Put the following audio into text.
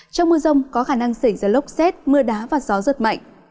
trong mưa rông có khả năng xảy ra lốc xét mưa đá và gió rất mạnh